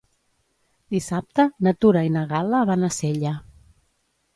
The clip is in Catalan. Dissabte na Tura i na Gal·la van a Sella.